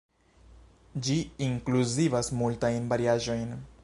Ĝi inkluzivas multajn variaĵojn.